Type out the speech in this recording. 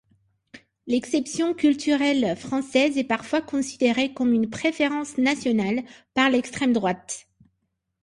L'exception culturelle française est parfois considérée comme une préférence nationale par l'extrême-droite.